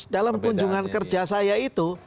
dalam kunjungan kerja saya itu